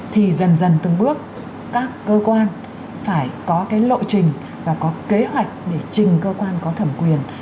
thì dần dần từng bước các cơ quan phải có cái lộ trình và có kế hoạch để trình cơ quan có thẩm quyền